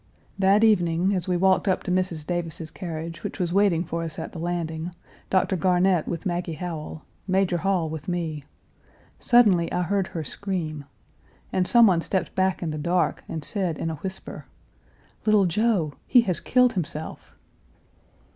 That evening, as we walked up to Mrs. Davis's carriage, which was waiting for us at the landing, Dr. Garnett with Maggie Howell, Major Hall with me, suddenly I heard her scream, and some one stepped back in the dark and said in a whisper. "Little Joe! he has killed himself!"